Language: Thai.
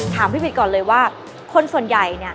ถามพี่บิดก่อนเลยว่าคนส่วนใหญ่